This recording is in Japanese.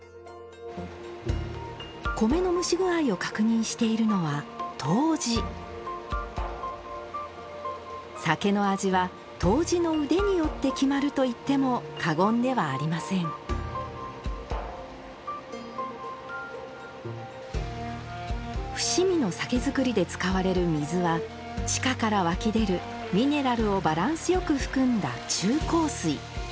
米の蒸し具合を確認しているのは杜氏酒の味は杜氏の腕によって決まると言っても過言ではありません伏見の酒造りで使われる水は地下から湧き出るミネラルをバランスよく含んだ中硬水。